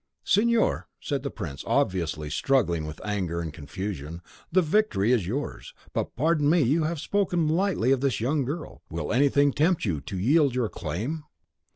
"Signor," said the prince, obviously struggling with anger and confusion, "the victory is yours. But pardon me, you have spoken lightly of this young girl, will anything tempt you to yield your claim?"